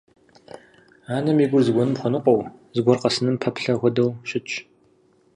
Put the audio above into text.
Анэм и гур зыгуэрым хуэныкъуэу, зыгуэр къэсыным пэплъэ хуэдэу щытщ.